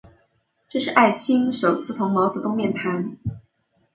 这是艾青首次同毛泽东面谈。